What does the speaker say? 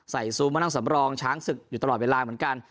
ซูมมานั่งสำรองช้างศึกอยู่ตลอดเวลาเหมือนกัน